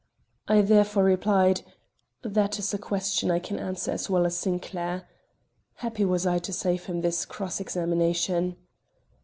I therefore replied: "That is a question I can answer as well as Sinclair." (Happy was I to save him this cross examination.)